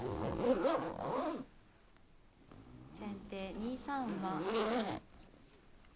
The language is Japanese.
先手２三馬。